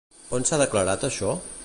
On s'ha declarat això?